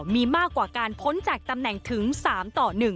มีมากกว่าการพ้นจากตำแหน่งถึง๓ต่อ๑